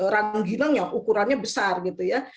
rangginang yang ukurannya besar gitu ya